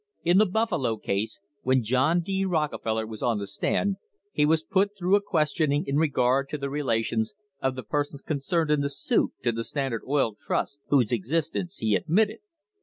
f In the Buffalo case, when John D. Rockefeller was on the stand, he was put through a questioning in regard to the rela tions of the persons concerned in the suit to the Standard Oil Trust, whose existence he admitted.